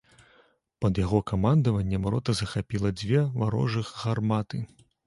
Пад яго камандаваннем рота захапіла дзве варожых гарматы.